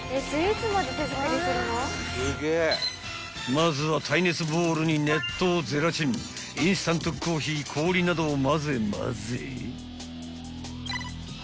［まずは耐熱ボウルに熱湯ゼラチンインスタントコーヒー氷などをまぜまぜ］